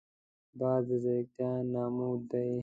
باز د ځیرکتیا نماد دی